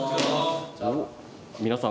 皆さん